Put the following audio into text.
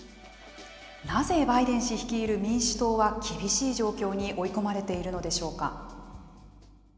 なぜ、バイデン氏率いる民主党は厳しい状況に追い込まれているのでしょうか。